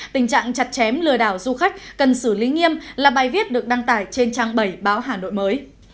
tình trạng chặt chém lừa đảo du khách cần xử lý nghiêm là bài viết được đăng tải trên trang bảy báo hà nội mới